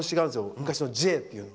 昔の「Ｊ」っていう。